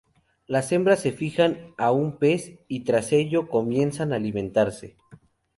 Las hembras se fijan a un pez y, tras ello, comienzan a alimentarse.